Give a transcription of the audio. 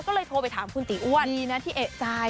ก็เลยโทรไปถามคุณตีอ้วนดีนะที่เอกใจ